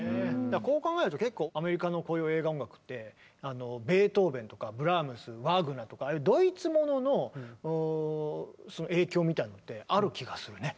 だからこう考えると結構アメリカのこういう映画音楽ってベートーベンとかブラームスワーグナーとかああいうドイツものの影響みたいなのってある気がするね。